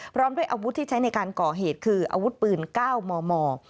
พร้อมด้วยอาวุธที่ใช้ในการก่อเหตุคืออาวุธปืน๙มม